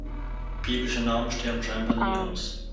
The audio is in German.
Biblische Namen sterben scheinbar nie aus.